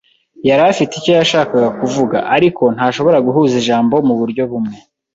yari afite icyo yashakaga kuvuga. Ariko, ntashobora guhuza ijambo muburyo bumwe.